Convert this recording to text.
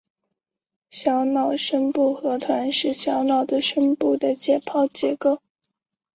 小脑深部核团是小脑的深部的解剖结构。